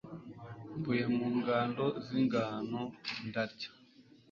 mvuye mu ngano z'ingano ndarya